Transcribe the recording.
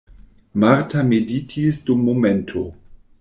Marta meditis dum momento.